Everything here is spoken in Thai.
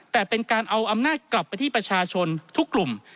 แต่เป็นการเอาอำนาจกลับไปที่ประชาชนทุกกลุ่ม